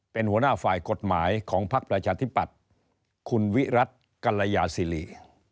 เป็นหัวหน้าฝ่ายกฎหมายของพักประชาธิปัตย์คุณวิรัติกรยาศิริ